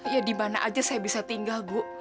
ya di mana aja saya bisa tinggal bu